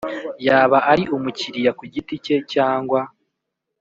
Yaba ari umukiriya ku giti cye cyangwa